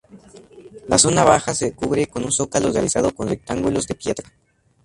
La zona baja se cubre con un zócalo realizado con rectángulos de piedra.